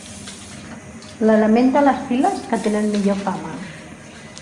L'element de les piles que tenen millor fama.